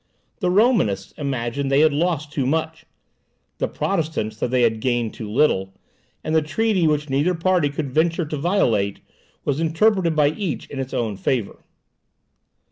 The Romanists imagined they had lost too much, the Protestants that they had gained too little; and the treaty which neither party could venture to violate, was interpreted by each in its own favour.